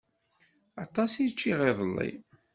Aṭas i ččiɣ iḍelli.